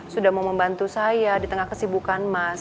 sudah mau membantu saya di tengah kesibukan mas